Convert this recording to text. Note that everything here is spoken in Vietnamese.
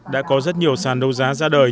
đã có rất nhiều sản đấu giá ra đường